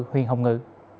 huyện hồng ngự